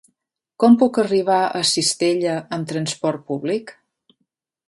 Com puc arribar a Cistella amb trasport públic?